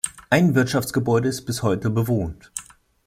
Ein Wirtschaftsgebäude ist bis heute bewohnt.